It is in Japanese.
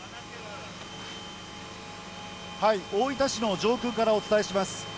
大分市の上空からお伝えします。